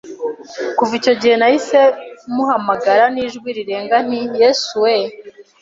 kuva icyo gihe nahise muhamagara n’ijwi rirenga nti Yesu wee